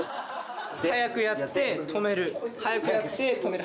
速くやって止める速くやって止める。